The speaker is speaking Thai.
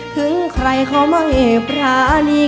ถึงใครเขาไม่ปรานี